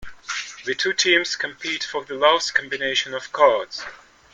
The two teams compete for the lowest combination of cards.